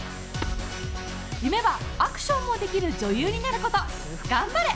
夢はアクションもできる女優になること、頑張れ！